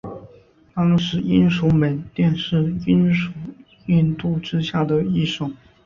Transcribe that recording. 当时英属缅甸是英属印度之下的一省。